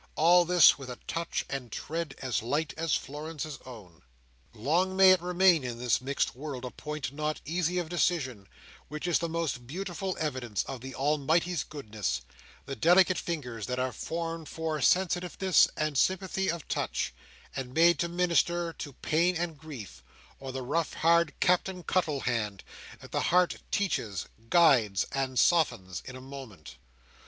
All this, with a touch and tread as light as Florence's own. Long may it remain in this mixed world a point not easy of decision, which is the more beautiful evidence of the Almighty's goodness—the delicate fingers that are formed for sensitiveness and sympathy of touch, and made to minister to pain and grief, or the rough hard Captain Cuttle hand, that the heart teaches, guides, and softens in a moment!